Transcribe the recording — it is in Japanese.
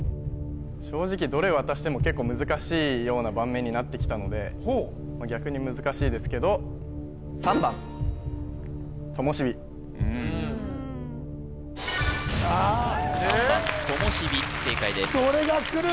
正直どれ渡しても結構難しいような盤面になってきたので逆に難しいですけど３番ともしび正解ですどれがくる？